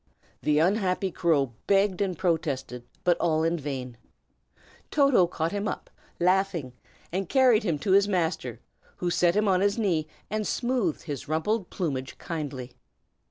The unhappy crow begged and protested, but all in vain. Toto caught him up, laughing, and carried him to his master, who set him on his knee, and smoothed his rumpled plumage kindly.